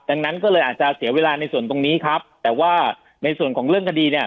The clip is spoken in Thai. ดังนั้นก็เลยอาจจะเสียเวลาในส่วนตรงนี้ครับแต่ว่าในส่วนของเรื่องคดีเนี่ย